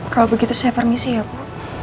kalau begitu saya permisi ya pak